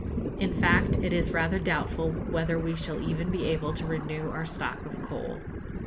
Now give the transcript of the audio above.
In fact, it is rather doubtful whether we shall even be able to renew our stock of coal.